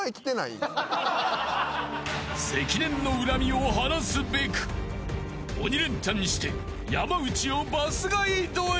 ［を晴らすべく鬼レンチャンして山内をバスガイドへ］